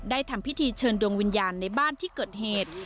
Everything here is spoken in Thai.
ทำพิธีเชิญดวงวิญญาณในบ้านที่เกิดเหตุ